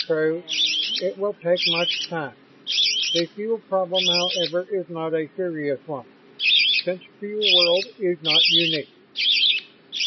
"True. It will take much time. The fuel problem, however, is not a serious one, since Fuel World is not unique.